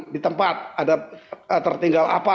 di tempat ada tertinggal apa